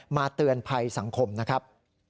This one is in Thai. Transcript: เตือนภัยสังคมนะครับ